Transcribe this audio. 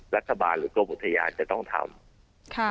รัฐบาลหรือกรมอุทยานจะต้องทำ